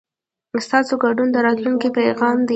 ستاسو ګډون د راتلونکي پیغام دی.